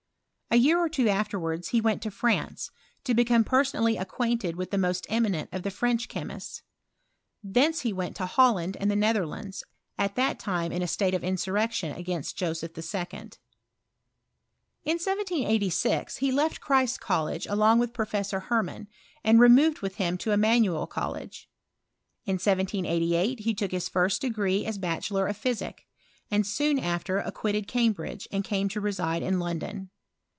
A year or two afterwards he wenl France, to become personally acquainted with i most eminent of the French chemists. Thence went to Holland and the Netherlands, at that ti in a state of insurrection against Joseph II In 1786 he left Christ's College along with E fessor Hermann, and removed with him to Emmas College. In 1788 he took his first degree as baclM of physic, and soon after quitted Cambridge i came to reside in London.